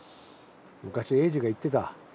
昔栄治が言ってた。